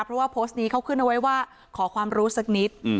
เพราะว่าโพสต์นี้เขาขึ้นเอาไว้ว่าขอความรู้สักนิด